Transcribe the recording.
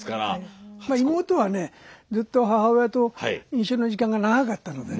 まっ妹はねずっと母親と一緒の時間が長かったのでね。